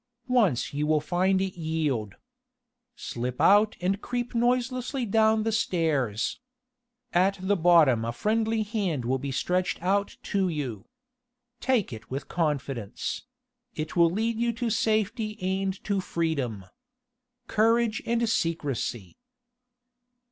Once you will find it yield. Slip out and creep noiselessly down the stairs. At the bottom a friendly hand will be stretched out to you. Take it with confidence it will lead you to safety and to freedom. Courage and secrecy.'"